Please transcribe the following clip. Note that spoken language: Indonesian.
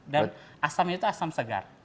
dan asamnya itu asam segar